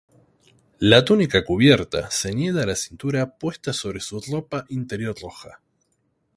Una túnica cubierta, ceñida a la cintura puesta sobre su ropa interior roja.